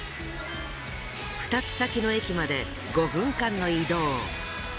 ２つ先の駅まで５分間の移動。